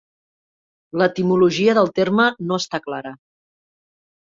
L'etimologia del terme no està clara.